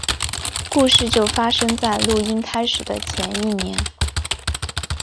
故事就发生在录音开始的前一年。